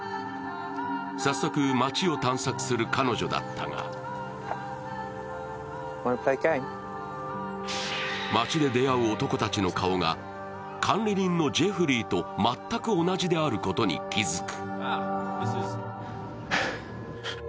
早速、街を探索する彼女だったが街で出会う男たちの顔が管理人のジェフリーと全く同じであることに気づく。